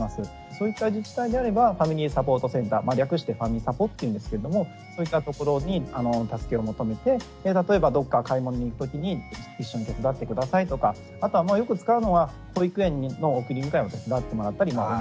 そういった自治体であればファミリーサポートセンター略してファミサポっていうんですけれどもそういったところに助けを求めて例えばどっか買い物に行くときに一緒に手伝って下さいとかあとはよく使うのは保育園の送り迎えを手伝ってもらったりお願いしたりとか。